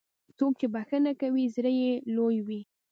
څوک چې بښنه کوي، زړه یې لوی وي.